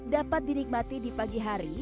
dapat dinikmati di pagi hari